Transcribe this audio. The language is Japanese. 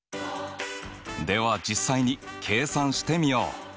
では実際に計算してみよう。